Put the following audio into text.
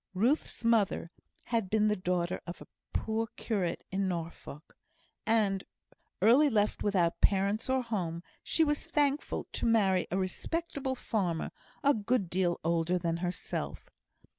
Ruth's mother had been the daughter of a poor curate in Norfolk, and, early left without parents or home, she was thankful to marry a respectable farmer a good deal older than herself.